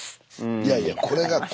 いやいやこれが肝やて。